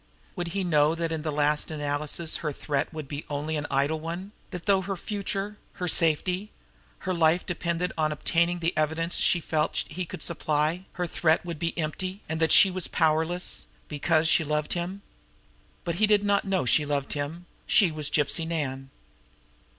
Would he know that in the last analysis her threat would be only an idle one; that, though her future, her safety, her life depended on obtaining the evidence she felt he could supply, her threat would be empty, and that she was powerless because she loved him. But he did not know she loved him she was Gypsy Nan.